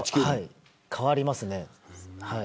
変わりますね。